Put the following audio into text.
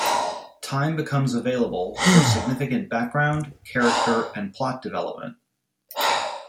Time becomes available for significant background, character, and plot development.